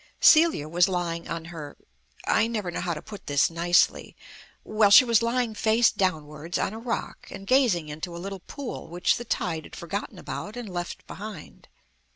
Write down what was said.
Celia was lying on her I never know how to put this nicely well, she was lying face downwards on a rock and gazing into a little pool which the tide had forgotten about and left behind.